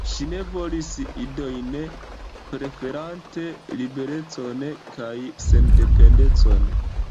Ŝi ne volis idojn, preferante liberecon kaj sendependecon.